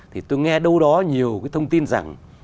thì tôi nghe đâu đó nhiều cái thông tin rằng